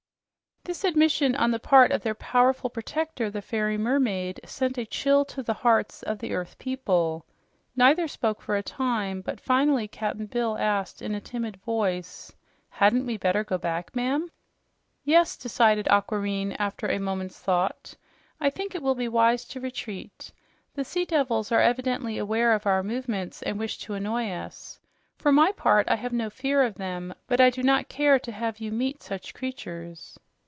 This admission on the part of their powerful protector, the fairy mermaid, sent a chill to the hearts of the earth people. Neither spoke for a time, but finally Cap'n Bill asked in a timid voice: "Hadn't we better go back, ma'am?" "Yes," decided Aquareine after a moment's thought. "I think it will be wise to retreat. The sea devils are evidently aware of our movements and wish to annoy us. For my part, I have no fear of them, but I do not care to have you meet such creatures."